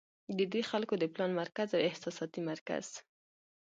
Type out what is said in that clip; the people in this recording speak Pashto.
د دې خلکو د پلان مرکز او احساساتي مرکز